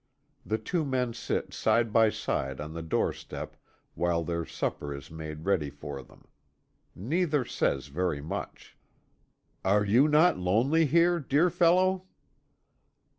The two men sit side by side on the door step while their supper is made ready for them. Neither says very much. "Are you not lonely here, dear fellow?"